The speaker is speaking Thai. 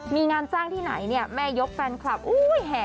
มีงานจ้างที่ไหนเนี่ยแม่ยกแฟนคลับอุ้ยแห่